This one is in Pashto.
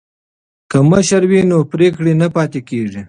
که مشر وي نو پریکړه نه پاتې کیږي.